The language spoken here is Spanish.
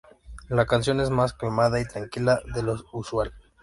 La canción es más calmada y tranquila de lo usual.